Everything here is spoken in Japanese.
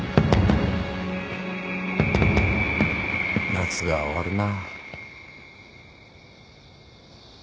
・夏が終わるな。